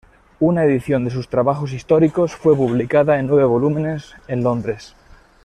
Una edición de sus trabajos históricos fue publicada en nueve volúmenes en Londres.